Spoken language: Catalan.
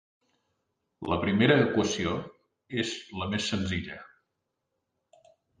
La primera equació és la més senzilla.